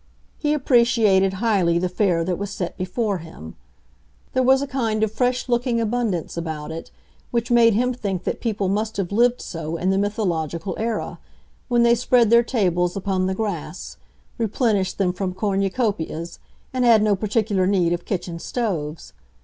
He appreciated highly the fare that was set before him. There was a kind of fresh looking abundance about it which made him think that people must have lived so in the mythological era, when they spread their tables upon the grass, replenished them from cornucopias, and had no particular need of kitchen stoves.